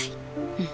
うん。